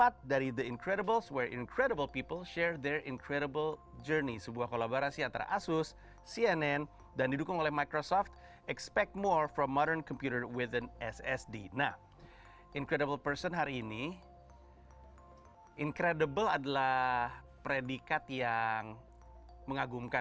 the underweight ssd nah incredible person hari ini incredible adalah predikat yang mengagumkan